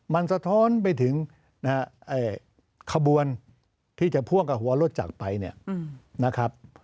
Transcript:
มันสะท้อนไปถึงขบวนที่จะพ่วงกับหัวรถจักรไปเนี่ยนะครับ